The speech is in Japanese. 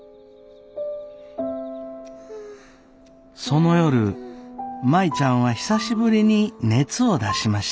その夜舞ちゃんは久しぶりに熱を出しました。